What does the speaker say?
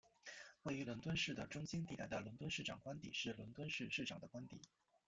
位于伦敦市的中心地带的伦敦市长官邸是伦敦市市长的官邸。